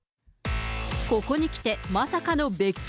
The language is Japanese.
ここにきてまさかの別居？